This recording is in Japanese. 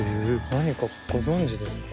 何かご存じですか？